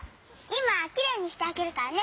いまきれいにしてあげるからね。